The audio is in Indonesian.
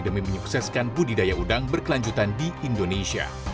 demi menyukseskan budidaya udang berkelanjutan di indonesia